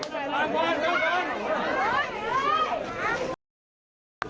เตี๋ยวก่อนเตี๋ยวก่อนเตี๋ยวก่อนเตี๋ยวก่อน